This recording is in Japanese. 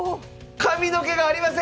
髪の毛がありません！